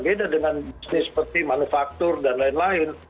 beda dengan bisnis seperti manufaktur dan lain lain